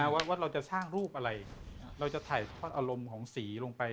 ว่าเราจะสร้างรูปอะไรเราจะถ่ายทอดอารมณ์ของสีลงไป